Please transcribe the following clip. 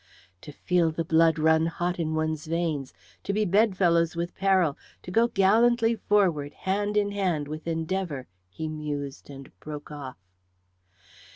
"To feel the blood run hot in one's veins, to be bedfellows with peril, to go gallantly forward hand in hand with endeavour," he mused and broke off.